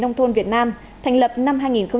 nông thôn việt nam thành lập năm hai nghìn một mươi